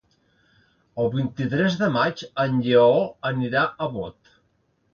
El vint-i-tres de maig en Lleó anirà a Bot.